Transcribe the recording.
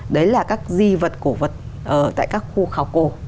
đấy là các di vật cổ vật tại các khu khảo cổ